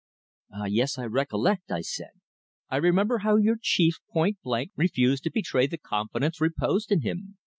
"Ah, yes, I recollect!" I said. "I remember how your chief point blank refused to betray the confidence reposed in him."